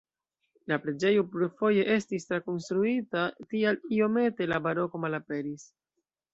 La preĝejo plurfoje estis trakonstruita, tial iomete la baroko malaperis.